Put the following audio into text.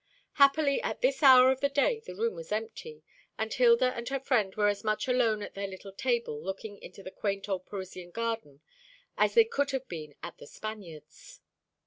Happily at this hour of the day the room was empty; and Hilda and her friend were as much alone at their little table looking into the quaint old Parisian garden as they could have been at The Spaniards.